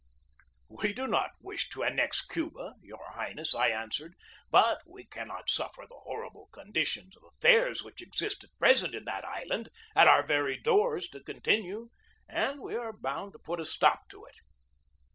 "We do not wish to annex Cuba, your Highness," I answered, "but we cannot suffer the horrible con dition of affairs which exists at present in that island at our very doors to continue, and we are bound to put a stop to it."